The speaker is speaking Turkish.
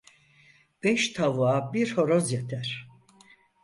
Beş tavuğa bir horoz yeter.